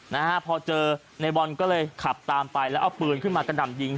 นะฮะพอเจอในบอลก็เลยขับตามไปแล้วเอาปืนขึ้นมากระหน่ำยิง